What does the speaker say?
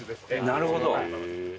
なるほど。